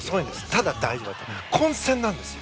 ただ大事なのは混戦なんです。